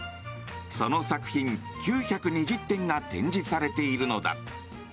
その作品９２０点が展示されているのだ。